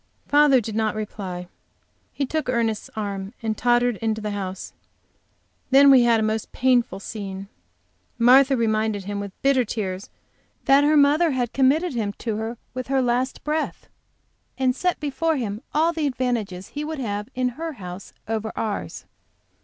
Father did not reply. He took Ernest's arm and tottered into the house. Then we had a most painful scene. Martha reminded him with bitter tears that her mother had committed him to her with her last breath and set before him all the advantages he would have in her house over ours.